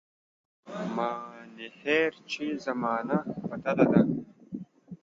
مانهیر چي زمانه بدله ده